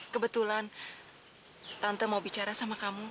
kebetulan tante mau bicara sama kamu